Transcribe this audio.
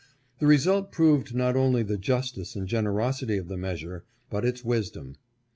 The result proved not only the justice and generosity of the measure, but its wisdom.